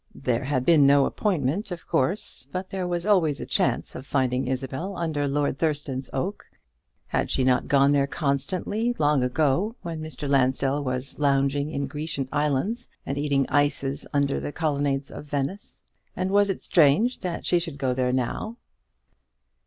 There had been no appointment, of course; but there was always a chance of finding Isabel under Lord Thurston's oak. Had she not gone there constantly, long ago, when Mr. Lansdell was lounging in Grecian Islands, and eating ices under, the colonnades of Venice? and was it strange that she should go there now?